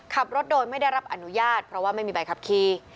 ขับรถโดยไม่ได้รับอนุญาตเพราะว่าไม่มีใบขับขี่